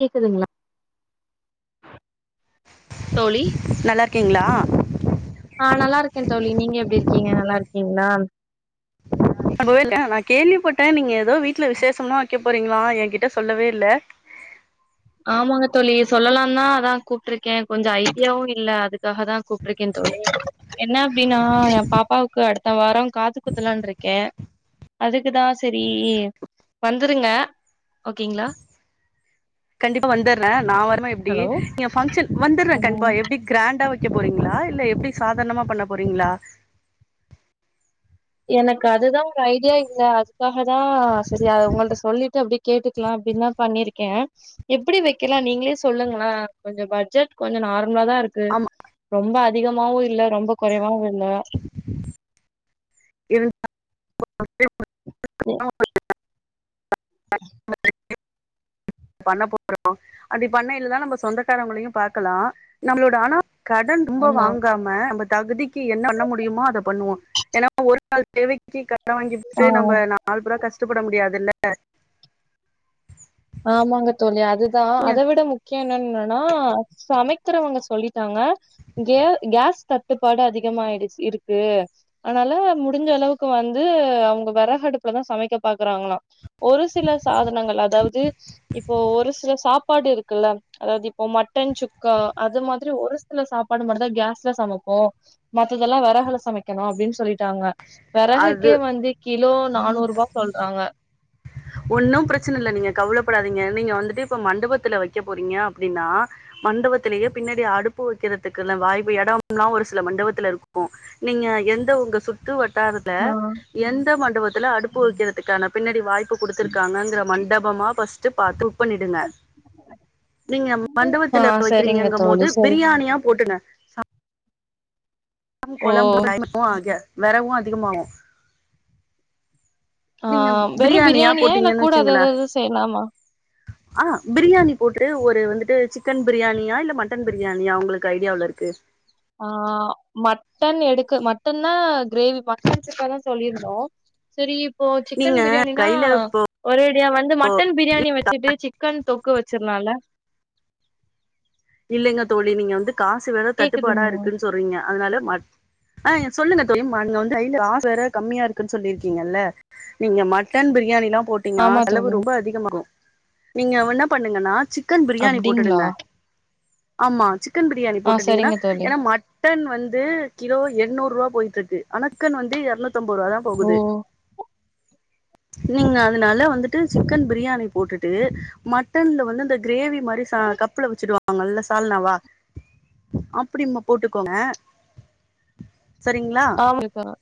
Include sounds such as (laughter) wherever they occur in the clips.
கேக்குதுங்ளா தோழி? நல்லார்க்கிங்ளா? ஆ நல்லாருக்கே தோழி நீங்க எப்டி இருக்கீங்க நல்லார்க்கிங்ளா? (inaudible) நா கேள்வி பட்டே நீங்க எதோ வீட்ல விசேஷம்லா வெக்க போறிங்ளா எ கிட்ட சொல்லவே இல்ல? ஆமாங்க தோழி சொல்லலான்தா அதா கூப்ட்ருக்கே கொஞ்சோ ஐடியாவு இல்ல அதுக் காகதா கூப்ட்ருக்கே தோழி என்ன அப்டினா எ பாப்பாவுக்கு அடுத்த வாரோ காது குத்துலான்ருக்கே. அதுக்கு தா செரி வந்துருங்க ஓகேங்ளா. கண்டிப்பா வந்தர்றே நா வர்ம எப்டி ஹலோ ங்க பங்க்ஷன் வந்தர்றே கண்ப்பா ம் எப்டிக் கிராண்டா வெக்க போறீங்ளா இல்ல எப்டி சாதார்ணமா பண்ண போறீங்ளா? எனக்கு அதுதா ஒரு ஐடியா இல்ல அதுக்காகதா செரி அத உங்கள்ட சொல்லிட்டு அப்டி கேட்டுக்லா அப்டின்தா பண்ணிருக்கே. எப்டி வெக்கலா நீங்ளே சொல்லுங்களே கொஞ்சோ பட்ஜெட் கொஞ்சோ நார்மலாதாருக் கு ஆமா ரொம்ப அதிகமாவு இல்ல ரொம்ப கொறைவாவு இல்ல. இது (inaudible) ம். பண்ண (inaudible) அப்டி பண்ணைலதா நம்ம சொந்தக்காரவங்களையு பாக்கலா. நம்ப்ளோட ஆனா கடன் ரொம்ப ஆமா வாங்காம நம்ப தகுதிக்கு என்ன பண்ண முடியுமோ அத பண்ணுவோ. ஏனா ஒரு நாள் தேவைக்கி கட ஆ வாங்கிபுட்டு நம்ப நாள்பட கஷ்டபட முடியாதுல்ல. ஆமாங்க தோழி அதுதா அதவிட மு என்னன்னா சமைக்கறவங்க சொல்லிட்டாங்க இங்க கேஸ் தட்டுப்பாடு அதிகமா ஆயிடுச் இருக்கு அதனால முடிஞ்ச அளவுக்கு வந்து அவங்க வெறகு அடுப்புலதா சமைக்க பாக்குறாங்களா ஒரு சில சாதனங்கள் அதாவது இப்போ ஒரு சில சாப்பாடு இருக்குல்ல அதாவது இப்போ மட்டன் சுக்கா அது மாதிரி ஒரு சில சாப்பாடு மட்டுதா கேஸ்ல சமைப்போ மத்ததெல்லா வெறகல சமைக்கணு அப்டின்னு சொல்லிட்டாங்க அது வெறகுக்கே வந்து கிலோ நானூறு ரூபா சொல்றாங்க ஒன்னு பிரச்சன இல்ல நீங்க கவலப்படாதீங்க நீங்க வந்துட்டு இப்ப மண்டபத்துல வைக்க போறீங்க அப்படின்னா மண்டபத்துலயே பின்னாடி அடுப்பு வைக்கிறதுக்குலா வாய்ப்பு எடம்லா ஒரு சில மண்டபத்துல இருக்கு நீங்க எந்த உங்க சு த்து வட்டாரத்துல எந்த மண்டபத்துல அடுப்பு வெக்கறதுக்கான பின்னாடி வாய்ப்பு குடுத்துருக்காங்கங்கற மண்டபமா பர்ஸ்ட்டு பாத்து புக் பண்ணிடுங்க நீங்க ஆ மண்டபத்துல சரிங்க வெக்கிறீங்கங்கும்போது தோழி சரி பிரியாணியா போட்ருங்க ஓ கொழம்பு (unintelligible) ஆக வெரவு அதிகமாகு ஆ நீங்க வெறு பிரியாணியா இல்ல போட்டீங்கன்னு கூட வச்சுங்களே அததது செய்லாமா ஆ பிரியாணி போட்று ஒரு வந்துட்டு சிக்கன் பிரியாணியா இல்ல மட்டன் பிரியாணியா உங்களுக்கு ஐடியாவ்ல இருக்கு ஆ மட்டன் எடுக்க மட்டன்னா கிரேவி மட்டன் சுக்காதா சொல்லிருந்தோ சரி இப்போ நீங்க சிக்கன் பிரியாணினா கையில ஒரேடியா வந்து மட்டன் பிரியாணி வச்சுட்டு சிக்கன் தொக்கு வெச்சிருலால இல்லைங்க தோழி நீங்க வந்து காசு வேற தட்டுப்பாடா கேக்குதுங்களா இருக்குனு சொல்றீங்க அதனால மட் ஆ சொல்லுங்க தோழி (unintelligible) கைல காசு வேற கம்மியா இருக்குன்னு சொல்லிருக்கீங்கல்ல நீங்க மட்டன் பிரியாணிலா போட் அப்படினா ஆமா செலவு தோழி ரொம்ப அதிகமாகு நீங்க என்ன பண்ணுங்கன்னா சிக்கன் பிரியாணி அப்டிங்களா போட்டுடுங்க ஆமா சிக்கன் பிரியாணி ஆ போட்டுட்டீங்கன்னா சரிங்க தோழி ஏனா மட் மட்டன் வந்து கிலோ என்னூரூவா போய்ட்ருக்கு அணக்கன் வந்து இரநூத்த நூத்தம்பதூரூபா தா ஓ போகுது நீங்க அதனால வந்துட்டு சிக்கன் பிரியாணி போட்டுட்டு மட்டன்ல வந்து அந்த கிரேவி மாரி சா கப்புல வெச்சுடுவா ஆ நல்ல சால்னாவா அப்டின்னா போட்டுக்கோங்க சரிங்ளா போய்ட்டு வாங்க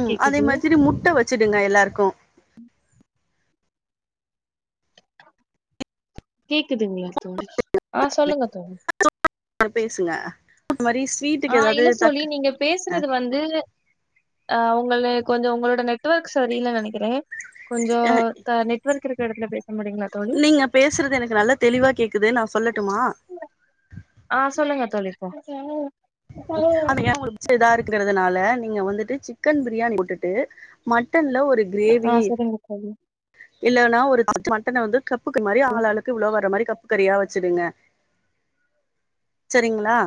ம் அதே மாதிரி முட்ட வெச்சுடுங்க எல்லாருக்கு கேக்குதுங்களா தோழி ஆ சொல்லுங்க தோழி (inaudible) பேசுங்க மாரீஸ் ஆ இல்ல சோளி நீங்க பேசுறது வந்து ஆ உங்கள்ள கொஞ்ஜோ உங்களோட நெட்வொர்க் சரியில்ல நினைக்கிறே கொஞ்ஜோ க நெட் ஒர்க் இருக்குற இடத்துல பேச முடியுங்களா தோழி இல்லீங்க பேசுறது எனக்கு நல்ல தெளிவா கேக்குது நா சொல்லட்டுமா ஆ சொல்லுங்க தோழி இப்போ அவனயே என்கூட சேதா இருக்கறதுனால நீங்க வந்துட்டு சிக்கன் பிரியாணி போட்டுட்டு மட்டன்ல ஒரு ஆ சரிங்க தோழி இல்லனா ஒரு மட்டன வந்து கப்புக்கு மாரி ஆளாளுக்கு இவ்ளோ வர மாரி கப் கரியா வெச்சுடுங்க சரிங்ளா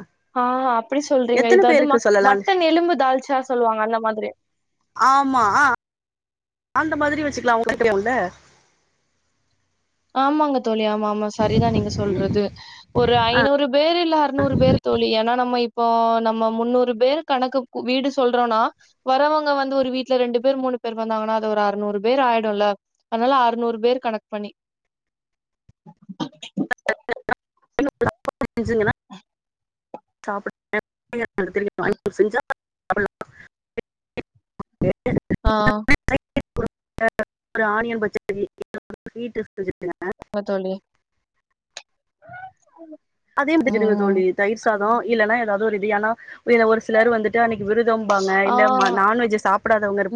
ஆ அப்டி சொல்றீங்க இதாது ம மட்டன் எலும்பு தால்ச்சா சொல்வாங்க அந்த மாதிரி ஆமா ஆ அந்த மாதிரி வெச்சுக்லா (inaudible) உள்ள ஆமாங்க தோழி ஆமா ஆமா சரிதா நீங்க சொல்றது ஒரு ஐநூறு பேர் இல்ல அற்நூறு பேர் தோழி ஏனா நம்ம இப்போ நம்ம முன்னூறு பேர் கணக்கு கு வீடு சொல்றோன்னா வரவங்க வந்து ஒரு வீட்ல ரெண்டு பேர் மூணு பேர் வந்தாங்கன்னா அது ஒரு அறநூறு பேர் ஆயிடுல்ல அதுனால அறுநூறு பேர் கணக்கு பண்ணி (inaudible) (inaudible) செஞ்சா (inaudible) (inaudible) ஆ (inaudible) ஒரு ஆனியன் பச்சடி வெறு ஹுட்டு செஞ்சுக்கங்க வ தோழி அதே வெச்சுடுங்க ம் தோழி தயிர் சாதோ இல்லன்னா ஏதாது ஒரு இது ஆனா இல்ல ஒரு சிலர் வந்து டு அன்னிக்கி விருதம்பாங்க இல்ல ம நான்வெஜ் சாப்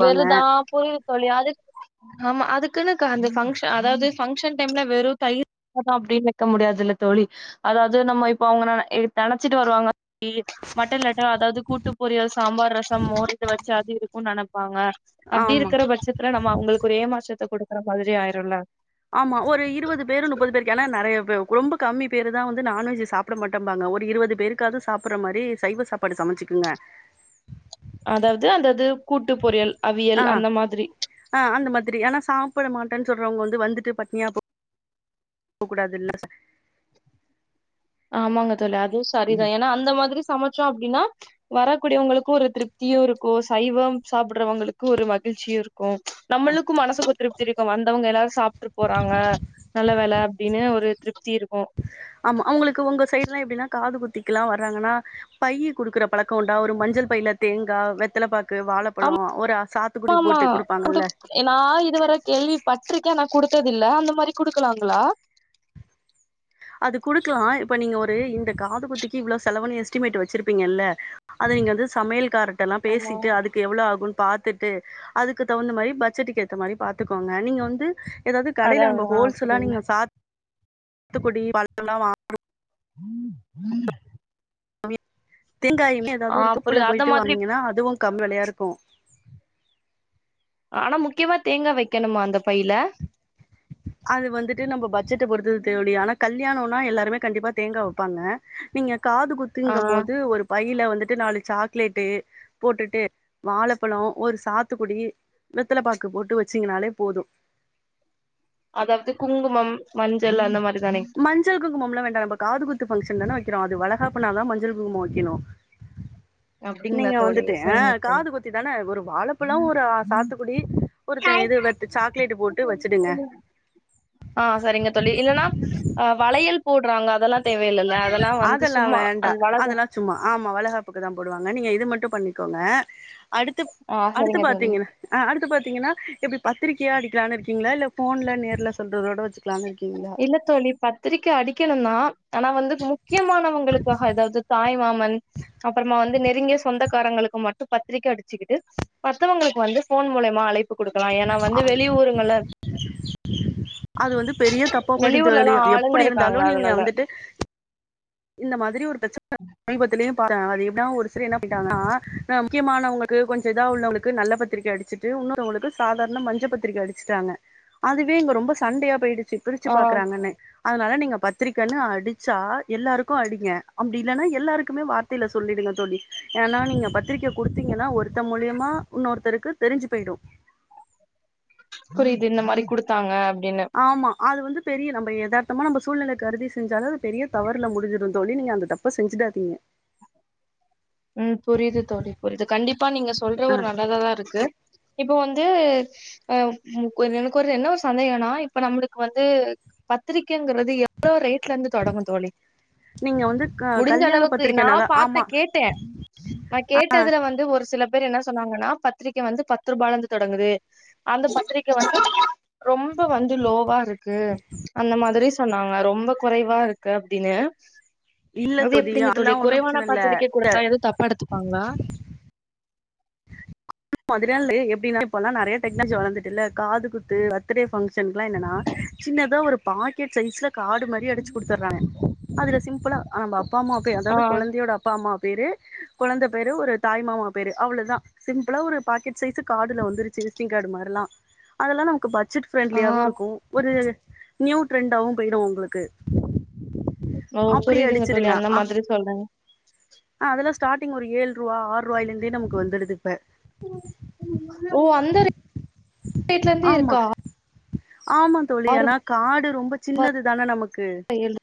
வெருதா புரி தோழி அதுக் ஆமா அதுகுனு க அந்த ஃபங்க்ஷ அதாது ஃபங்க்ஷன் டைம்ல வெறு தயிர் (unintelligible) அப்டின்னு வெக்க முடியாதுல்ல தோழி அதாது நம்ம இப்ப அவங்க ந இ நெனச்சிட்டு வருவாங்க இ மட்டன் லட்ட அதாது கூட்டு பொரியல் சாம்பார் ரசம் மோர் இது வச்சு அது இருக்குன் நெனப் பாங்க அப்டி ஆமா இருக்குற பட்சத்துல நம்ம அவுங்ளுக்கு ஒரு ஏமாற்றத்த குடுக்குற மாதிரி ஆயிருல்ல ஆமா ஒரு இருவது பேரு நுப்பது பேருக்கு ஏனா நெறையா பே ரொம்ப கம்மி பேரு தா வந்து நான்வெஜ் சாப் புட மாட்டம்பாங்க ஒரு இருவது பேருக்காது சாப்புட்ற மாரி சைவ சாப்பாடு சமச்சுக்குங்க அதாவ்து அந்தது கூட்டு பொரியல் அவியல் அந்த மாதிரி அ அந்த மாதிரி ஏனா சாப்புட மாட்டேன் சொல்றவங்க வந்து வந்துட்டு பட்னியா போ கக்கூடாதுல்ல (inaudible) ஆமாங்க தோழி அதுவு சரிதா கூடாதுல்ல ஏனா அந்த மாதிரி சமச்சோ அப்டினா வரக்கூடியவங்களுக்கு ஒரு திருப்தியு இருக்கு சைவம் சாப்புட்றவங்களுக்கு ஒரு மகிழ்ச்சியு இரு கு நம்மளுக்கு மனசுக்கு திருப்தி இருக்கு வந்தவங்க எல்லாரு சாப்ட்டு போறாங்க நல்ல வேல அப்டின்னு ஒரு திருப்தி இருக்கு ஆமா அவுங்ளுக்கு உங்க சைட்லா எப்டினா காது குத்திக்குலா வர்றாங்கனா பையி குடுக்குற பழக்கோ உண்டா ஒரு மஞ்சள் பைல தேங்கா வெத்தலபாக்கு வாழப்பழோ ஆமா ஒரு சா த்துக்குடி ஆமா போட்டு குடுப்பாங்கல்ல நா இது வர கேள்வி பட்ருக்கே ஆனா குடுத்ததில்ல அந்த மாரி குடுக்கலாங்களா அது குடுக்குலா இப்ப நீங்க ஒரு இந்த காது குத்திக்கு இவ்ளோ செலவுனு எஸ்டிமேட் வெச்சிருப்பீங்கல்ல அது நீங்க வந்து சமையல் காரட்டல்லா ஆமா பேசிட்டு அது க்கு எவ்ளோ ஆகு பாத்துட்டு அதுக்கு தகுந்த மாரி பட்ஜெட்டுக்கு ஏத்த மாரி பாத்துக்கோங்க நீங்க வந்து ஏதாது அதா கடைல நம்ப அதா ஹோல்ஸேலா புரியுது நீங்க சா த்துக்குடி பழலா வா ங்கி தேங்காயுமே ஆ ஏதாது ஒரு தோப்புல புரியுது அந்த போயிட்டு மாதிரி வாங்னீங்கன்னா அதுவு கம்மி வெலயா இருக்கு ஆனா முக்கியமா தேங்கா வைக்கணுமா அந்த பைல அது வந்துட்டு நம்ப பட்ஜெட்ட பொறுத்துது தேவ்டியா ஆனா கல்யாணொன்னா எல்லாருமே கண்டிப்பா தேங்கா வெப்பாங்க நீங்க காது ஆ குத்துங்கம்போது ஒரு பைல வந்துட்டு நாலு சாக்லேட்டு போட்டுட்டு வாழப்பழோ ஒரு சாத்துக்குடி வெத்தல பாக்கு போட்டு வெச்சிங்னாலே போது அதாவது குங்குமம் மஞ்சள் அந்த மாரி தானே மஞ்சள் குங்குமம்ல்லா வேண்டா நம்ப காது குத்து ஃபங்க்ஷன் தான வக்கிறோ அது வளகாப்புனாதா மஞ்சள் குங்குமம் வக்கெணு அப்டிங்களா நீங்க தோழி வந்துட்டு அ சரிங்க காது குத்தி தான ஒரு வாழப்பழோ ஒரு அ சாத்துக்குடி ஒருத்த தோழி இது வெத் சாக்லேட் போட்டு வெச்சுடுங்க ஆஹ் சரிங்க தோழி இல்லன்னா அஹ் வளையல் போடுறாங்க அதெல்லா தேவயில்லல அதெல்லா வந்து சும்மா வேண்டா அது வளக்கா அதெல்லா சும்மா ஆமா வளகாப்புக்கு தா போடுவாங்க நீங்க இது மட்டு பண்ணிக்கோங்க அடுத்துப் ஆ அடுத்து சரிங்க தோழி பாத்தீங்கன்னா அஹ் அடுத்து பாத்தீங்கன்னா எப்டி பத்திரிகையா அடிக்கலானு இருக்கீங்களா இல்ல ஃபோன்ல நேர்ல சொல்றதோட வெச்சுக்கலானு இருக்கீங்ளா இல்ல தோழி பத்திரிக்க அடிக்கணு தா ஆனா வந்து முக்கியமானவங்களுக்காக அதாது தாய்மாமன் அப்புறமா வந்து நெருங்கிய சொந்தக்காரங்களுக்கு மட்டு பத்திரிக்க அடிச்சுக்கிட்டு மத்தவங்களுக்கு வந்து ஃபோன் மூலயமா அழைப்பு குடுக்கலா ஏனா வந்து அது வெளி ஊருங்கள்ல அது வந்து பெரிய தப்பா போயிடோ தோழி வெளியூர்லல்லா ஆளுங்க எப்டி இருக்காங்க இருந்தாலு நீங்க அதனால வந்துட்டு இந்த மாதிரி ஒரு பிரச் சன சமீபத்திலயு பாத்த அது எப்டினா ஒரு சிலர் என்ன பண்ணிட்டாங்கனா முக்கியமானவங்களுக்கு கொஞ்சோ இதா உள்ளவங்களுக்கு நல்ல பத்திரிக்க அடிச்சு ட்டு உன்னொருதவுங்ளுக்கு சாதாரண மஞ்ச பத்திரிக்க அடிச்சுட்டாங்க அதுவே இங்க ரொம்ப சண்டயா போயிடுச்சி பிரிச்சு ஆ பாக்கறாங்கன்னு அனால நீங்க பத்திரிக்கன்னு அடிச்சா எல்லாருக்கு அடிங்க அப்டி இல்லனா எல்லாருக்குமே வார்த்தைல சொல்லிடுங்க தோழி ஏனா நீங்க பத்திரிக்க குடுத்தீங்கனா ஒருத்த மூலியமா உன்னொருத்தருக்கு தெரிஞ்சு போய்டு புரியுது இன்ன மாரி குடுத்தாங்க அப்டின்னு ஆமா அது வந்து பெரிய நம்ம எதார்த்தம நம்ம சூழ்நெலை கருதி செஞ்சாலு அது பெரிய தவறுல முடிஞ்சிடு தோழி நீங்க அந்த தப் ப செஞ்சிடாதீங்க ம் புரியுது தோழி புரியுது கண்டிப்பா நீங்க சொல்ற ஆ ஒரு நல்லதாதா இருக்கு இப்போ வந்து அஹ் முக் எனக்கு ஒரு என்ன ஒரு சந்தேகனா இப்ப நம்மளுக்கு வந்து பத்திரிக்கைங்கிறது எ வ்ளோ ரேட்லந்து தொடங்கோ தோழி நீங்க வந்து க முடிஞ்ச கல்யாண அளவுக்கு நா பத்திரிக்கனால பாத்த ஆமா கேட் டே நா கேட்டதுல வந்து ஒரு சில பேர் என்ன சொன்னாங்கன்னா பத்திரிக்க வந்து பத்து ரூபாலந்து தொடங்குது அந்த பத்திரிக வந்து ரொம்ப வந்து லோவாருக் கு அந்த மாதிரி சொன்னாங்க ரொம்ப குறைவா இருக்கு அப்டின்னு இல்ல அது எப்டிங்க தோழி அதெல்லா ஒன்னு குறைவான பிரச்சன இல்ல பாத்திரிக்க குடுத்தா எதுவு தப்பா எடுத்துப்பாங்ளா மொதலேந்து எப்டினா இப்பல்லா நெறைய டெக்னாலஜி வளர்ந்துட்டு இல்ல காது குத்து பர்த்டே ஃபங்க்ஷனகுல்லா என்னன்னா சின்னதா ஒரு பாக்கெட் சைஸ்ல காடு மாரி அடிச்சு குடுத்துறாங்க அதுல சிம்பிளா அஹ் நம்ம அப்பா அம்மாக்கு ஆ அதாது கொழந்தையோட அப் அப்பா அம்மா பேரு கொழந்தை பேரு ஒரு தாய் மாமா பேரு அவ்ளோதா சிம் பிலா ஒரு பாக்கெட் சைசு கார்டுல வந்துருச்சு விஸ்டிங் கார்டு மாரிலா அதெல்லா நமக்கு பட்ஜெட் ஆ ஃப்ரெண்ட்லியாவு இருக்கு ஒரு நியூ ட்ரெண்டாவு போயிடு உங்களுக்கு ஓ புரியுதுங்க தோழி அந்த மாதிரி சொல்றிங்க ஆஹ் அதெல்லா ஸ்டார்டங் ஒரு ஏழு ரூவா ஆறு ரூவாயில இருந்தே நமக்கு வந்துடுது இப்ப ஓ அந்தர ஆமா ஆமா தோழி ஏனா கார்டு ரொம்ப சின்னது தானே நமக்கு ஏழு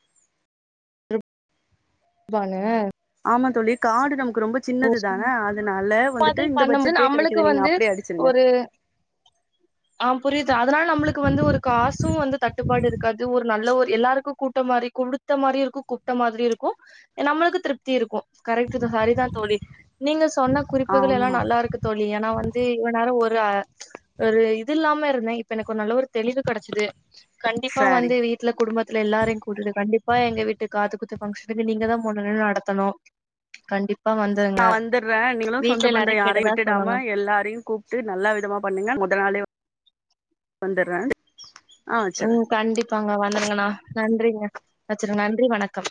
ருப் பால ஆமா தோழி கார்டு நமக்கு ரொம்ப சின்னது தான அதனால வந்துட்டு இந்த பண்ணும்போது பட்ஜெட்லையே நம்மளுக்கு கெடைக்குது நீங்க வந்து அப்டியே அடிச்சிருங்க ஒரு ஆ புரிது அதனால நம்மளுக்கு வந்து ஒரு காசு வந்து தட்டுப்பாடு இருக்காது ஒரு நல்ல ஒரு எல்லாருக்கு கூட்ட மாரி குடுத்த மாரியு இருக்கு கூப்ட்ட மாதிரியு இருக்கு நம்ளுக்கு திருப்தி இருக்கு கரெக்ட்டுதா செரிதா தோழி நீங்க சொன்ன குறிப்புகள் எல்லா ஆமா நல்லா இருக்கு தோழி எனா வந்து இவனால ஒரு ஆ ஒரு இது இல்லாம இருந்தே இப்ப எனக்கு ஒரு நல்ல ஒரு தெளிவு கடைச்சுது கண்டிப்பா சரி வந்து வீட் ல குடும்பத்துல எல்லாரையு கூட்டிடு கண்டிப்பா எங்க வீட்டுக்கு காது குத்து ஃபங்ஷன்னுக்கு நீங்கதா முன்ன நின்னு நடத்தணு கண்டிப்பா வந் நா வந்துட்றே நீங்குளு சொந்தோ பந்தோ யாரையு கேட்டதா சொல்லுங்க விட்டுடாம எல்லாரையு கூப் ட்டு நல்ல விதமா பண்ணுங்க மொதநாளே வந்தறே ம் கண்டிப்பாங்க வந்துருங்கண்ணா நன்றிங்க வெச்சிருங்க நன்றி வணக்கம்